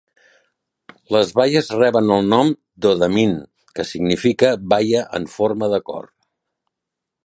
Les baies reben el nom d'Odamin, que significa "baia en forma de cor".